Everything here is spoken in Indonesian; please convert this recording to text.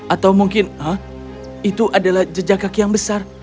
atau mungkin itu adalah jejak kaki yang besar